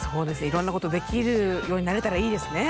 色んなことできるようになれたらいいですね